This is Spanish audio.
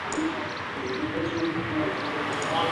Entonces el reino cayó en la anarquía.